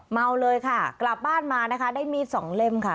เมาเลยค่ะกลับบ้านมานะคะได้มีดสองเล่มค่ะ